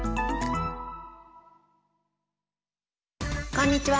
こんにちは。